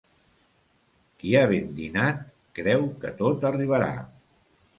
Qui ha ben dinat creu que tot arribarà.